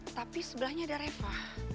tapi sebelahnya ada reva